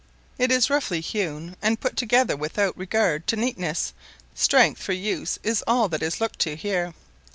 It is roughly hewn, and put together without regard to neatness; strength for use is all that is looked to here.